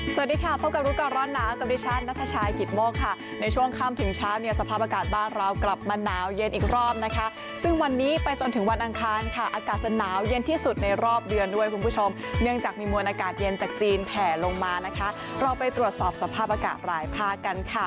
สวัสดีค่ะพบกับรู้ก่อนร้อนหนาวกับดิฉันนัทชายกิตโมกค่ะในช่วงค่ำถึงเช้าเนี่ยสภาพอากาศบ้านเรากลับมาหนาวเย็นอีกรอบนะคะซึ่งวันนี้ไปจนถึงวันอังคารค่ะอากาศจะหนาวเย็นที่สุดในรอบเดือนด้วยคุณผู้ชมเนื่องจากมีมวลอากาศเย็นจากจีนแผ่ลงมานะคะเราไปตรวจสอบสภาพอากาศหลายภาคกันค่ะ